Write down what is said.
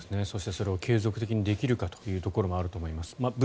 そしてそれを継続的にできるかというところもあると思います。